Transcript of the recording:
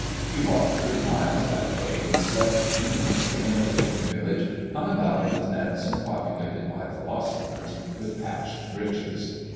He walked thirty miles that day and slept dreamlessly in a fishing village hung about with nets and populated by philosophers with patched breeches.